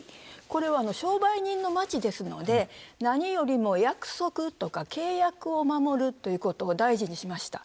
これは商売人の街ですので何よりも約束とか契約を守るということを大事にしました。